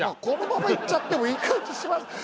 このままいっちゃってもいい感じします。